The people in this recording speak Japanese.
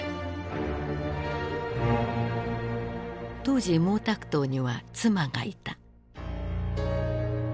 当時毛沢東には妻がいた。